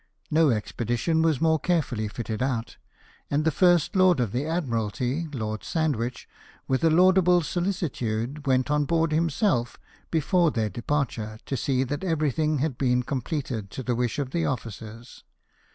No expedition was ever more carefully fitted out : and the First Lord of the Admiralty, Lord Sandwich, with a laudable solicitude, went on board himself, before their departure, to see that everything had been com pleted to the wish of the officers.